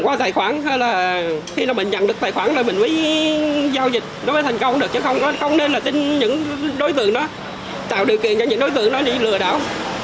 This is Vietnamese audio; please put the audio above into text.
mà tài khoản hay là khi mà mình nhận được tài khoản là mình mới giao dịch nó mới thành công được chứ không nên là những đối tượng đó tạo điều kiện cho những đối tượng đó đi lừa đảo